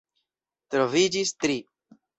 Troviĝis tri.